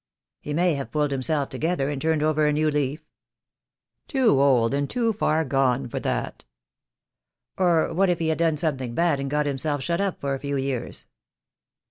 "He may have pulled himself together, and turned over a new leaf." I76 THE DAY WILL COME. "Too old, and too far gone for that." "Or what if he had done something bad and got himself shut up for a few years?"